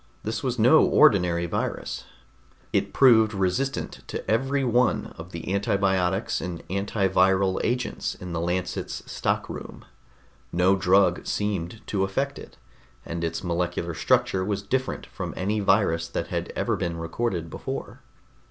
This was no ordinary virus. It proved resistant to every one of the antibiotics and antiviral agents in the Lancet's stockroom. No drug seemed to affect it, and its molecular structure was different from any virus that had ever been recorded before.